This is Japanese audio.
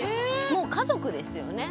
もう家族ですよね。